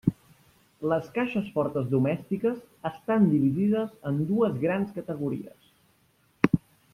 Les caixes fortes domèstiques estan dividides en dues grans categories: